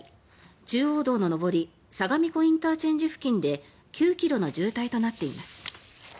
中央道の上り、相模湖ＩＣ付近で９ｋｍの渋滞となっています。